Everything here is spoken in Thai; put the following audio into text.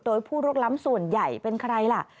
โดยผู้ลุกล้ำส่วนใหญ่เป็นใครล่ะ